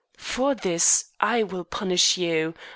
For this I will punish you.